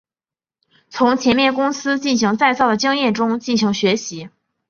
从前面公司进行再造的经验中进行学习。